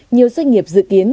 nhiều doanh nghiệp dự kiến